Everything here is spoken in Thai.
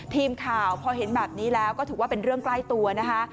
ทีมข่าวพอเห็นแบบนี้แล้วก็ถือว่าเป็นเรื่องใกล้ตัวนะคะ